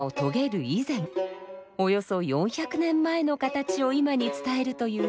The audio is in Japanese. およそ４００年前の形を今に伝えるという柳川三味線。